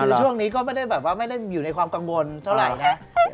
คือช่วงนี้ก็ไม่ได้อยู่ในความกังวลเท่าไหร่นะ